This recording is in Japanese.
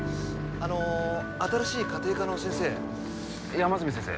あの新しい家庭科の先生山住先生